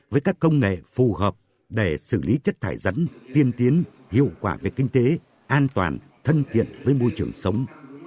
với các công nghệ phù hợp để xử lý chất thải rắn tiên tiến hiệu quả về kinh tế an toàn thân thiện với môi trường sống